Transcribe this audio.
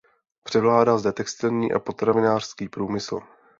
Převládá zde textilní a potravinářský průmysl.